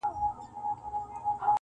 شب ګیرو راته سرې کړي ستا له لاسه-